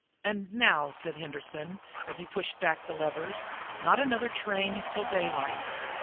"And now," said Henderson, as he pushed back the levers, "not another train till daylight.